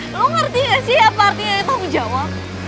lo ngerti gak sih apa artinya tamu jawa